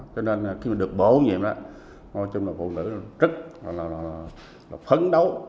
cho nên là khi mà được bổ nhiệm đó nói chung là phụ nữ rất là phấn đấu